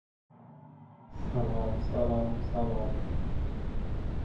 He and his family now live in Maine.